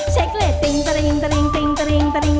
เชคเลตติ้ง